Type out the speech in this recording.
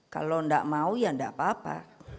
kalau enggak mau ya enggak apa apa